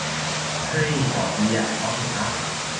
เห่ย ตอบดีอะ ช็อกสิครับ